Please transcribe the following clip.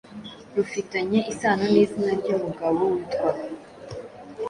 rufitanye isano n’izina ry’umugabo witwaga